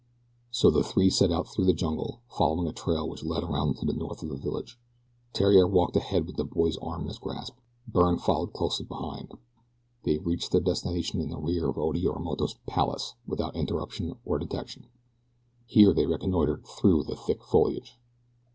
So the three set out through the jungle, following a trail which led around to the north of the village. Theriere walked ahead with the boy's arm in his grasp. Byrne followed closely behind. They reached their destination in the rear of Oda Yorimoto's "palace" without interruption or detection. Here they reconnoitered through the thick foliage.